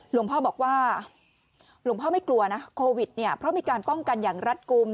หลวงพ่อบอกว่าหลวงพ่อไม่กลัวนะโควิดเนี่ยเพราะมีการป้องกันอย่างรัฐกลุ่ม